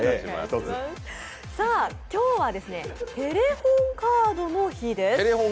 今日はテレホンカードの日です。